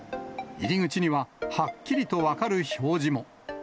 入り口にははっきりと分かる表示も。